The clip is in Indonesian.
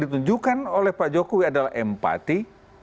ditunjukkan oleh pak jokowi adalah empati